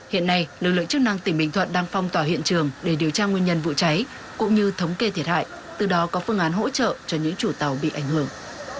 hiện nay lực lượng chức năng tỉnh bình thuận đang phong tỏa hiện trường để điều tra nguyên nhân vụ cháy cũng như thống kê thiệt hại từ đó có phương án hỗ trợ cho những chủ tàu bị ảnh hưởng